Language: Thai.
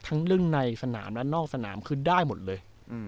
เรื่องในสนามและนอกสนามคือได้หมดเลย